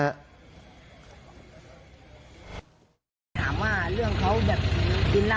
ถามว่าเรื่องเขาแบบกินเหล้าแล้วเขามีพื้นเขาบอกนะ